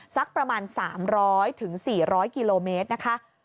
สักประมาณ๓๐๐๔๐๐กิโลเมตรนะคะ